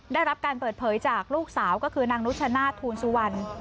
ได้รับการเปิดเผยจากลูกสาวก็คือนางนุชนาศทูลสุวรรณ